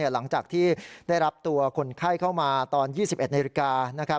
หลังจากที่ได้รับตัวคนไข้เข้ามาตอน๒๑นาฬิกา